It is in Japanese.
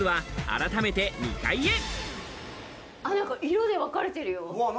色でわかれてるよ。